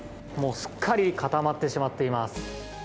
すっかり固まってしまっています。